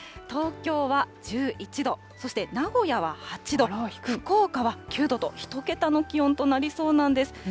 東京は１１度、そして名古屋は８度、福岡は９度と、１桁の気温となりそうなんです。